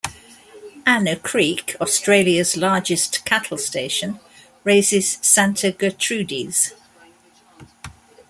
Anna Creek, Australia's largest cattle station, raises Santa Gertrudis.